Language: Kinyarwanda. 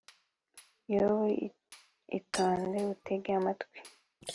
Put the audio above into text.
yobu itonde, utege amatwi